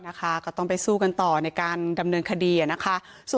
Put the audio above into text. นะคะก็ต้องไปสู้กันต่อในการดำเนินคดีนะคะ